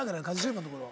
今のところ。